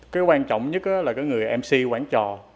cái quan trọng nhất là người mc quản trò